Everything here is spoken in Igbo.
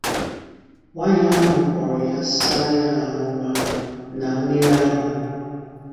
Nwanyị ahụ kpọrọ ya saa ya ahụ na mmiri ahụ